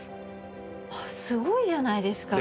すごいじゃないですか。